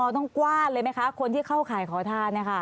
ลุงเอี่ยมอยากให้อธิบดีช่วยอะไรไหม